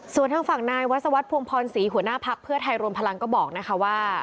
ส่วนทางฝั่งนายวัศวรรษภวงพรศรีหัวหน้าภักดิ์เพื่อไทยรวมพลังก็บอกนะคะว่า